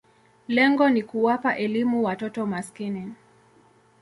Lengo ni kuwapa elimu watoto maskini.